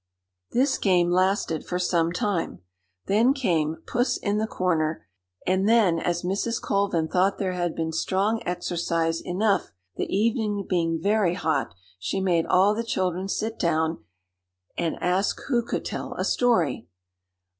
This game lasted for some time. Then came "Puss in the Corner"; and then, as Mrs. Colvin thought there had been strong exercise enough, the evening being very hot, she made all the children sit down, and asked who could tell a story.